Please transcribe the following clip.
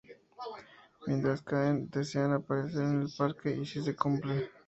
Mientras caen, desean aparecer en el Parque, y sí se cumple.